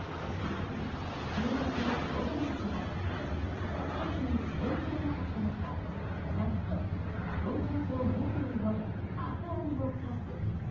注目の勝負メシは１つに絞り切れなかったのか何と、丼物と麺類のハーフ＆ハーフ。